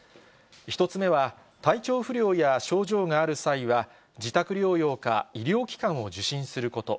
１つ目は、体調不良や症状がある際は、自宅療養か医療機関を受診すること。